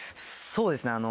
そうですね